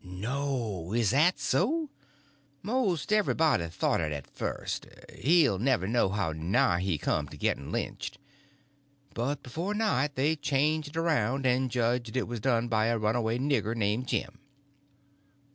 "No—is that so?" "Most everybody thought it at first. He'll never know how nigh he come to getting lynched. But before night they changed around and judged it was done by a runaway nigger named Jim."